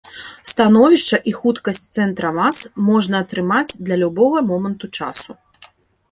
Становішча і хуткасць цэнтра мас можна атрымаць для любога моманту часу.